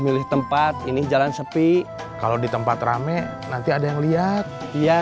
milih tempat ini jalan sepi kalau di tempat rame nanti ada yang lihat ya